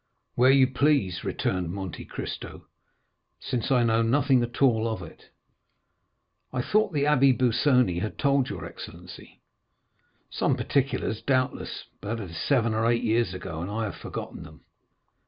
"Where you please," returned Monte Cristo, "since I know nothing at all of it." "I thought the Abbé Busoni had told your excellency." "Some particulars, doubtless, but that is seven or eight years ago, and I have forgotten them."